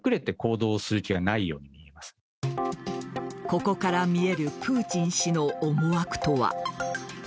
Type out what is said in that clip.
ここから見えるプーチン氏の思惑とは。